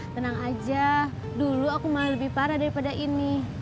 tenang aja dulu aku malah lebih parah daripada ini